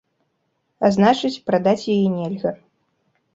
А значыць, прадаць яе нельга.